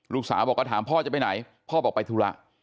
ลูกสาวบอกก็ถามพ่อจะไปไหนพ่อบอกไปธุระ